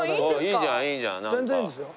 いいじゃんいいじゃんなんか。